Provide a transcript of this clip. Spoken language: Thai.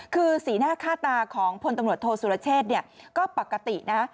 คือสีหน้าค่าตาของพลตำรวจโทษสุรเชษเนี่ยก็ปกตินะ